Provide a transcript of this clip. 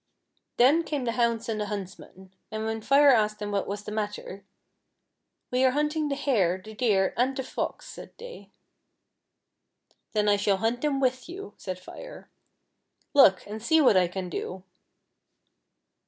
Then came the hounds and the huntsmen ; and when Fire asked them what was the matter, " We are hunting the Hare, the Deer, and the Fox," said they. "Then I shall hunt them with > ou," said Fire. " Look, and see what I can do